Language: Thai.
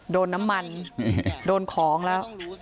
โดนน้ำมันโดนของแล้ว